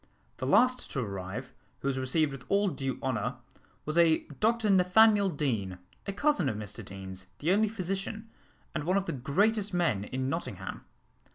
The last to arrive, who was received with all due honour, was a Dr Nathaniel Deane, a cousin of Mr Deane's, the only physician, and one of the greatest men, in Nottingham.